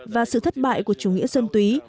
và sự thất bại của chủ nghĩa dân túy